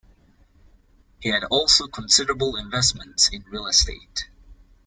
He also had considerable investments in real estate.